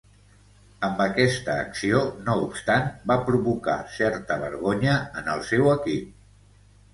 Amb aquesta acció, no obstant, va provocar certa vergonya en el seu equip.